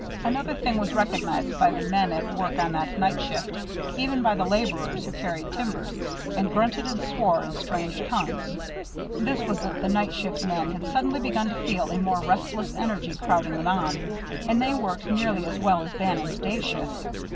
Another thing was recognized by the men at work on that night shift, even by the laborers who carried timbers, and grunted and swore in strange tongues; this was that the night shift men had suddenly begun to feel a most restless energy crowding them on, and they worked nearly as well as Bannon's day shifts.